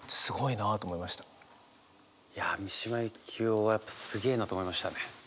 いや三島由紀夫はやっぱすげえなと思いましたね。